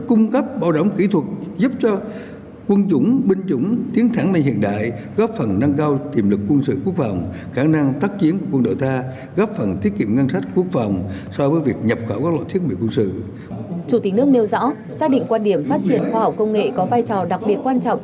chủ tịch nước nêu rõ xác định quan điểm phát triển khoa học công nghệ có vai trò đặc biệt quan trọng